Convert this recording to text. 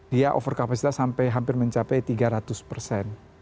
dia over kapasitas sampai hampir mencapai tiga ratus persen